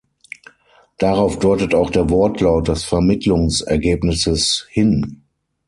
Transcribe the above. Darauf deutet auch der Wortlaut des Vermittlungsergebnisses hin.